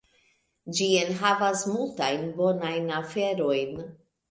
Ĝi enhavas multajn bonajn aferojn.